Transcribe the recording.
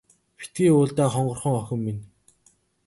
Битгий уйл даа хонгорхон охин минь.